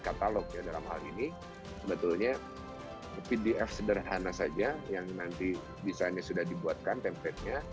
catalog dalam hal ini sebetulnya pdf sederhana saja yang nanti bisa ini sudah dibuatkan template nya